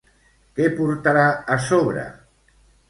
Què portarà a sobre?